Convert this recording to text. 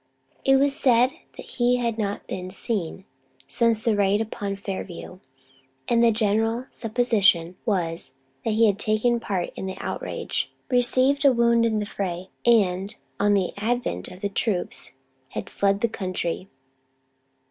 It was said that he had not been seen since the raid upon Fairview, and the general supposition was that he had taken part in the outrage, received a wound in the affray and, on the advent of the troops, had fled the country.